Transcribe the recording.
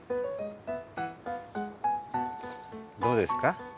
どうですか？